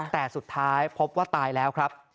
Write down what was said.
แต่สุดท้ายพบว่าตายแล้วครับ